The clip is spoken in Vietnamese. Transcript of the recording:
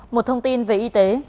một thông tin về y tế